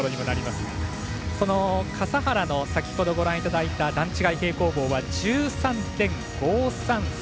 笠原の先ほどご覧いただいた段違い平行棒は１３．５３３。